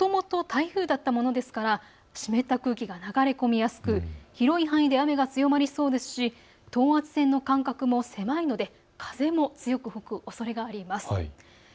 もともと台風だったものですから湿った空気が流れ込みやすく広い範囲で雨が強まりそうですし等圧線の間隔も狭いので風も強く吹くおそれがあります。